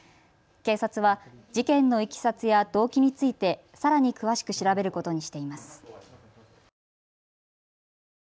警察は事件のいきさつや動機についてさらに詳しく調べることにしています。